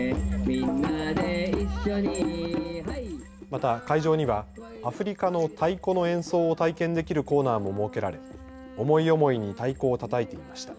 また会場にはアフリカの太鼓の演奏を体験できるコーナーも設けられ思い思いに太鼓をたたいていました。